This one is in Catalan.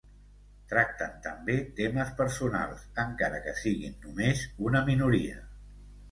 Tracten també, temes personals, encara que siguin només una minoria.